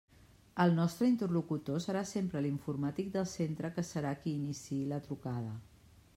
El nostre interlocutor serà sempre l'informàtic del centre que serà qui iniciï la trucada.